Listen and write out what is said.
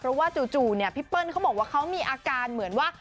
เพราะว่าจู่เนี่ยพี่เปิ้ลเขาบอกว่าเขามีอาการเหมือนว่า